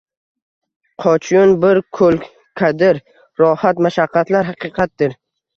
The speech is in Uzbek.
Qochyun bir koʻlkadir rohat, mashaqqatlar haqiqatdir